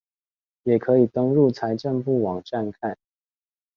也可以登入財政部網站看